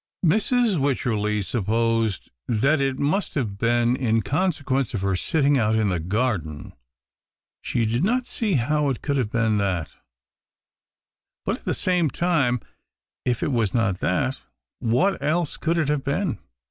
Mrs.Wycherley supposed that it must have been in consequence of her sitting out in the garden. She did not see how it could have been that ; but, at the same time, if it was not that, what else could it have been